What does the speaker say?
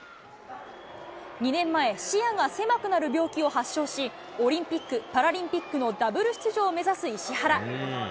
２年前、視野が狭くなる病気を発症し、オリンピック、パラリンピックのダブル出場を目指す石原。